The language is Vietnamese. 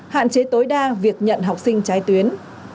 hạn chế tối đa việc nhận học sinh trái tuyến